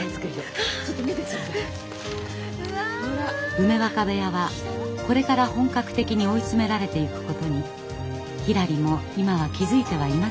梅若部屋はこれから本格的に追い詰められていくことにひらりも今は気付いてはいませんでした。